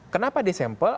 kenapa di sampel